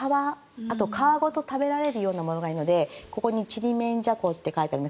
あと皮ごと食べられるようなものがいいのでここにチリメンジャコって書いてあります